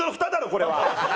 これは。